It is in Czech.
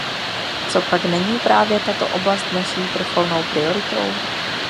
Copak není právě tato oblast naší vrcholnou prioritou?